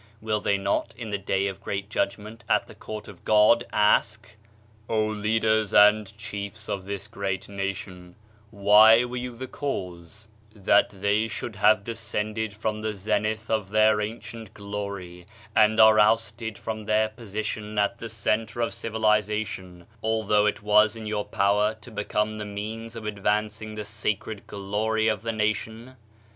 Will they not, in the Day of great Judgment at the Court of God, ask: "O Leaders and Chiefs of this great nation, why were you the cause that they should have descended lis Digitized by Google MYSTERIOUS FORCES from the zenith of their ancient glory, and are ousted from their position at the center of civiliza tion, although it was in your power to become the means of advancing the sacred glory of tho nation?